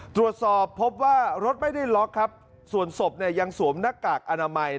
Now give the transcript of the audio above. ตรวจสอบพบว่ารถไม่ได้ล็อกครับส่วนศพเนี่ยยังสวมหน้ากากอนามัย